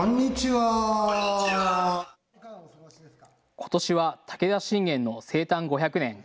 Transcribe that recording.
ことしは武田信玄の生誕５００年。